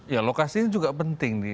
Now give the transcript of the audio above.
ya lokasinya juga penting